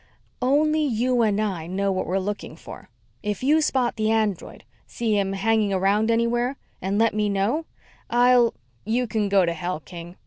"Only you and I know what we're looking for. If you spot the android, see him hanging around anywhere, and let me know, I'll " "You can go to hell, King.